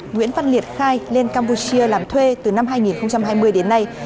nguyễn văn liệt khai lên campuchia làm thuê từ năm hai nghìn hai mươi đến nay